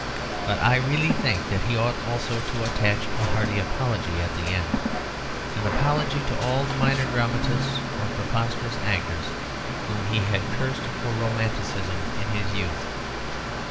But I really think that he ought also to attach a hearty apology at the end; an apology to all the minor dramatists or preposterous actors whom he had cursed for romanticism in his youth.